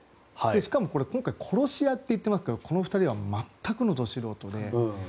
しかも今回殺し屋と言ってますけどこの２人は全くのド素人で。